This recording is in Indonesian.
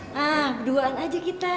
nah berduaan aja kita